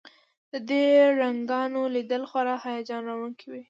د دې رڼاګانو لیدل خورا هیجان راوړونکي وي